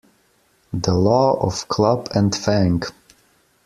The Law of Club and Fang